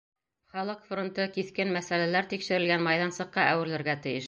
Халыҡ фронты киҫкен мәсьәләләр тикшерелгән майҙансыҡҡа әүерелергә тейеш.